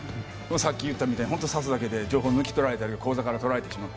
さっき言ったみたいにちょっと差すだけで情報を抜き取られたり口座から取られてしまう。